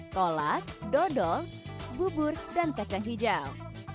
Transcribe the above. kolat dodol bubur dan kacang hijau